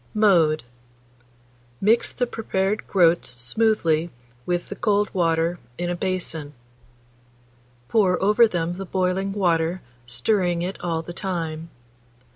Mode. Mix the prepared groats smoothly with the cold water in a basin; pour over them the boiling water, stirring it all the time.